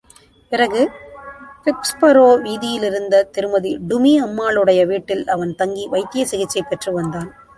பிறகு பிப்ஸ்பரோ வீதியிலிருந்த திருமதி டுமி அம்மாளுடைய வீட்டில் அவன்தங்கி வைத்திய சிகிச்சை பெற்று வந்தான்.